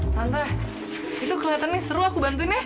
tante itu kelihatannya seru aku bantuin ya